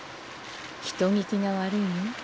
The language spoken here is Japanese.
人聞きが悪いよ。